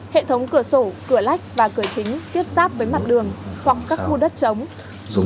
hệ thống cửa sổ cửa lách và cửa chính tiếp giáp với mặt đường hoặc các khu đất chống